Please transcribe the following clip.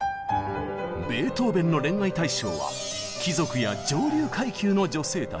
ベートーベンの恋愛対象は貴族や上流階級の女性たち。